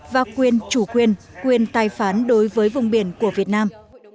và quyền chủ quyền quyền tài phán đối với vùng biển của việt nam